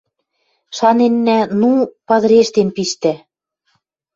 Шаненнӓ, ну, падырештен пиштӓ.